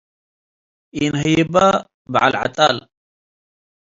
ኢነሀይበ በዐል ዐጣል